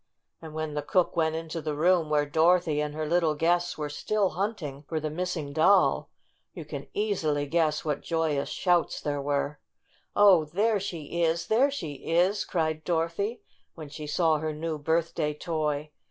And when the cook went into the room where Dorothy and her little guests were still hunting for the missing doll, you can easily guess what joyous shouts there were. "Oh, there she is ! There she is !" cried Dorothy, when she saw her new birthday toy.